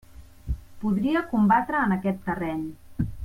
Podria combatre en aquest terreny.